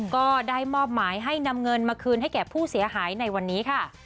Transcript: ก็ได้มอบหมายให้นำเงินมาคืนให้แก่ผู้เสียหายในวันนี้ค่ะ